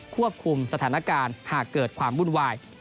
ควบคุมสถานการณ์หากเกิดความวุ่นวาย